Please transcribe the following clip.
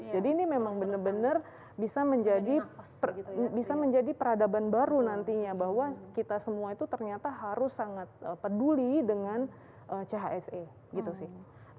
jadi ini memang benar benar bisa menjadi peradaban baru nantinya bahwa kita semua itu ternyata harus sangat peduli dengan chsa gitu sih